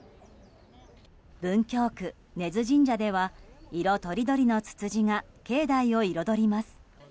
文京区・根津神社では色とりどりのツツジが境内を彩ります。